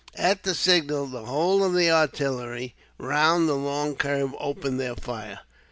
At the signal, the whole of the artillery round the long curve opened their fire.